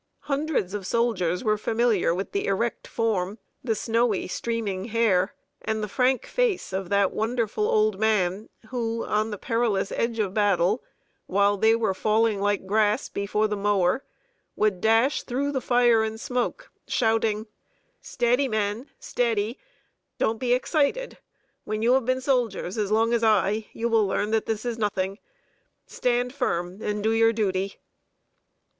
Hundreds of soldiers were familiar with the erect form, the snowy, streaming hair, and the frank face of that wonderful old man who, on the perilous edge of battle, while they were falling like grass before the mower, would dash through the fire and smoke, shouting: "Steady, men, steady! Don't be excited. When you have been soldiers as long as I, you will learn that this is nothing. Stand firm and do your duty!"